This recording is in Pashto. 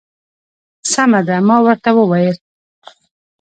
سمه ده. ما ورته وویل.